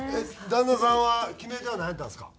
旦那さんは決め手はなんやったんですか？